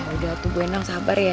udah tuh bu endang sabar ya